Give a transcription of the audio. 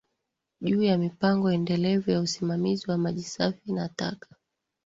juu ya mipango endelevu ya usimamizi wa maji safi na taka